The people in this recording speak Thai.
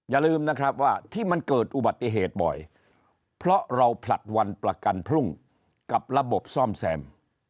อย่าลืมนะครับว่าที่มันเกิดอุบัติเหตุบ่อยเพราะเราผลัดวันประกันพรุ่งกับระบบซ่อมแซม